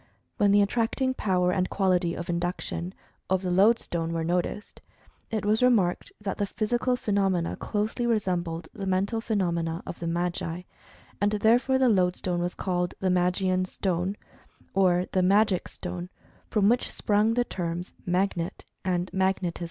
When the attracting power and quality of induction, of the lodestone were noticed, it was remarked that the physical phenomena closely resembled the mental phenomena of the Magi,' and, therefore, the lodestone was called "the Magian Stone," or "the Magic Stone," from which sprung the terms "Magnet" and "Magnetism."